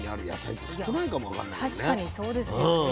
いや確かにそうですよね。